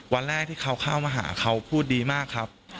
วันแรกที่เขาเข้ามาหาเขาพูดดีมากครับ